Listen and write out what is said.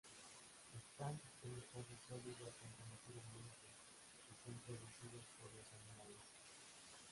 Están en estado sólido a temperatura ambiente, y son producidas por los animales.